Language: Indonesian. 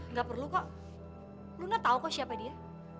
nggak perlu kok luna tau kok siapa dia